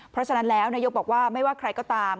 เพราะฉะนั้นแล้วนายกบอกว่าไม่ว่าใครก็ตาม